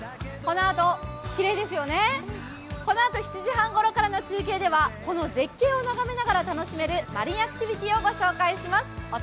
きれいですよね、このあと７時半ごろからの中継ではこの絶景を眺めながら楽しめるマリンアクティビティーをご紹介します。